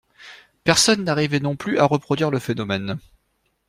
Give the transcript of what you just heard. Personne n’arrivait non plus à reproduire le phénomène.